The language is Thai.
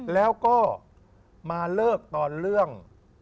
แล้วก็มาเลิกตอนเรื่อง